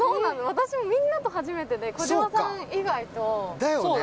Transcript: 私もみんなと初めてで児嶋さん以外とそうかだよね